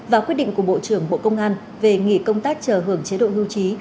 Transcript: và quyết định của bộ trưởng bộ công an về nghỉ công tác chờ hưởng chế độ hưu trí